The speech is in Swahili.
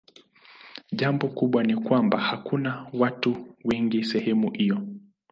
Jambo kubwa ni kwamba hakuna watu wengi sehemu hiyo.